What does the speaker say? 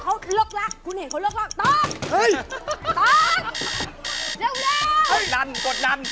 เขาอึกอัก